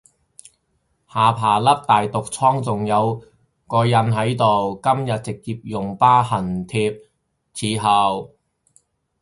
下巴粒大毒瘡仲有個印喺度，今日直接用疤痕貼侍候